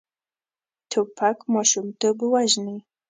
توپک ماشومتوب وژني.